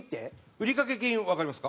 売掛金わかりますか？